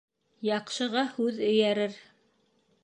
Яҡшыға һүҙ эйәрер